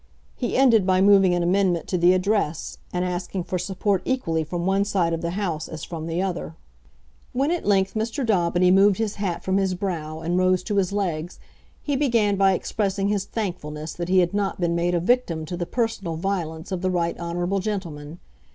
He ended by moving an amendment to the Address, and asking for support equally from one side of the House as from the other. When at length Mr. Daubeny moved his hat from his brow and rose to his legs he began by expressing his thankfulness that he had not been made a victim to the personal violence of the right honourable gentleman.